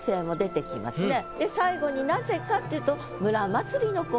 最後になぜかっていうと。